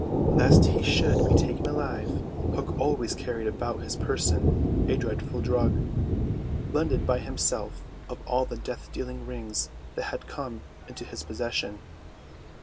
Lest he should be taken alive, Hook always carried about his person a dreadful drug, blended by himself of all the death dealing rings that had come into his possession.